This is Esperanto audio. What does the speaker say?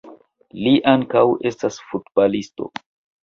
Li ankaŭ estas futbalisto.